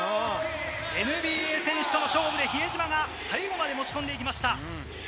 ＮＢＡ選手との勝負で比江島が最後まで持ち込んでいきました。